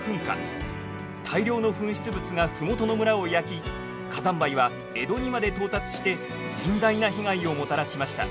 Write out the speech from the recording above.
大量の噴出物が麓の村を焼き火山灰は江戸にまで到達して甚大な被害をもたらしました。